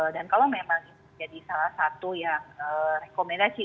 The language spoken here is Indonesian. dan kalau memang jadi salah satu yang rekomendasi